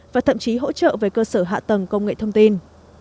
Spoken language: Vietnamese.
và thậm chí hỗ trợ về cơ sở hạ tầng công nghệ thông tin